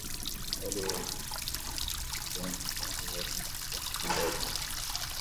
Marten married Elizabeth Weld and had two sons and three daughters.